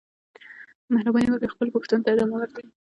مهرباني وکړئ خپلو پوښتنو ته ادامه ورکړئ.